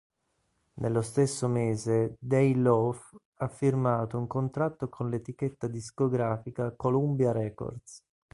Nello stesso mese Dej Loaf ha firmato un contratto con l'etichetta discografica Columbia Records.